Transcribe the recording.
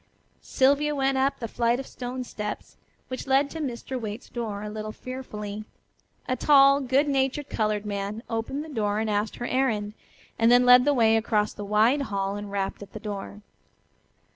Sylvia went up the flight of stone steps which led to Mr. Waite's door a little fearfully. A tall, good natured colored man opened the door and asked her errand, and then led the way across the wide hall and rapped at a door.